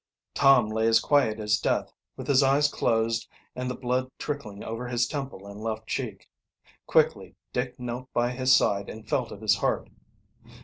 Tom lay as quiet as death, with his eyes closed and the blood trickling over his temple and left cheek. Quickly Dick knelt by his side and felt of his heart.